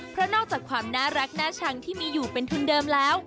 เพราะนอกจากความน่ารักน่าชังที่มีอยู่เป็นทุนเดิมแล้ว